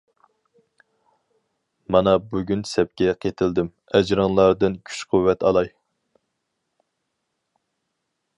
مانا بۈگۈن سەپكە قېتىلدىم، ئەجرىڭلاردىن كۈچ-قۇۋۋەت ئالاي.